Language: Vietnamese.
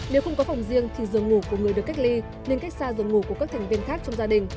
nếu không có phòng riêng thì giường ngủ của người được cách ly nên cách xa giường ngủ của các thành viên khác trong gia đình